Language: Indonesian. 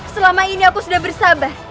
selama ini aku sudah bersabar